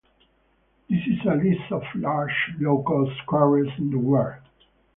This is a List of largest low-cost carriers in the world.